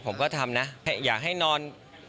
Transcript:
ผมก็ทำนะอยากให้นอน